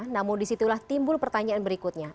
namun disitulah timbul pertanyaan berikutnya